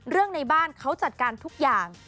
๔เรื่องในบ้านเขาจัดการทุกอย่าง